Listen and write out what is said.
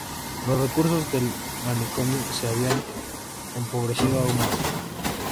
Los recursos del manicomio se habían empobrecido aún más.